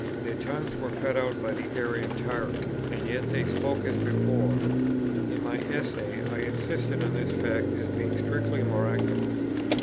Their tongues were cut out by the Arian tyrant, and yet they spoke as before. In my Essay I insisted on this fact as being strictly miraculous.